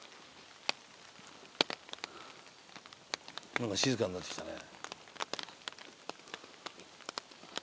何か静かになってきたね。